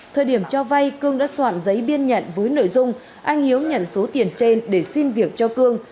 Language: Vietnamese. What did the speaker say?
thời điểm cho vay cương đã soạn giấy biên nhận với nội dung anh hiếu nhận số tiền trên để xin việc cho cương